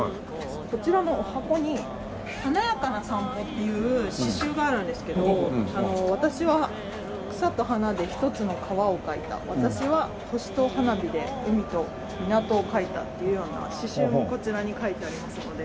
こちらの箱に『華やかな散歩』っていう詩集があるんですけど「わたしは草と花で一つの川をかいたわたしは星と花火で海と港をかいた」っていうような詩集もこちらに書いてありますので。